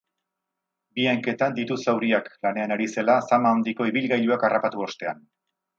Bi hanketan ditu zauriak, lanean ari zela zama handiko ibilgailuak harrapatu ostean.